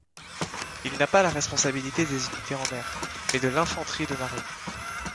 Il n'a pas la responsabilité des unités en mer, mais de l'infanterie de marine.